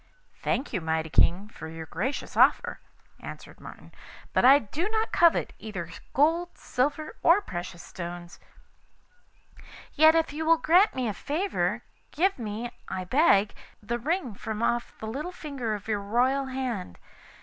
'I thank you, mighty King, for your gracious offer,' answered Martin,' 'but I do not covet either gold, silver, or precious stones; yet if you will grant me a favour, give me, I beg, the ring from off the little finger of your royal hand.